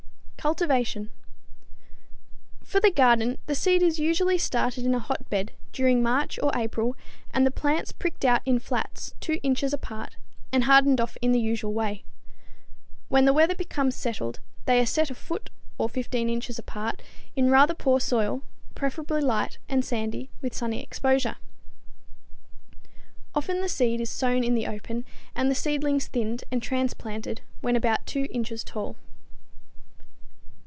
Cultivation. For the garden the seed is usually started in a hotbed during March or April and the plants pricked out in flats 2 inches apart and hardened off in the usual way. When the weather becomes settled they are set a foot or 15 inches apart in rather poor soil, preferably light and sandy, with sunny exposure. Often the seed is sown in the open and the seedlings thinned and transplanted when about 2 inches tall.